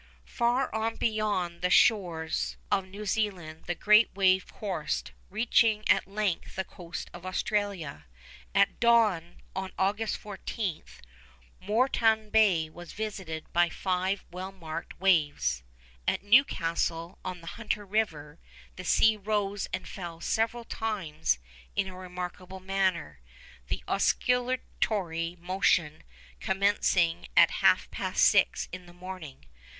Far on beyond the shores of New Zealand the great wave coursed, reaching at length the coast of Australia. At dawn of August 14, Moreton Bay was visited by five well marked waves. At Newcastle, on the Hunter River, the sea rose and fell several times in a remarkable manner, the oscillatory motion commencing at half past six in the morning.